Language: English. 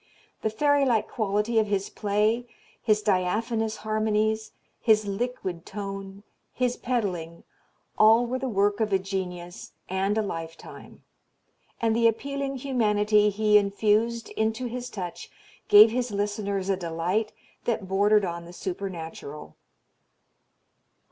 The fairylike quality of his play, his diaphanous harmonies, his liquid tone, his pedalling all were the work of a genius and a lifetime; and the appealing humanity he infused into his touch, gave his listeners a delight that bordered on the supernatural.